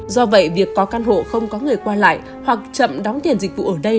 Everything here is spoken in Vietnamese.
do vậy việc có căn hộ không có người qua lại hoặc chậm đóng tiền dịch vụ ở đây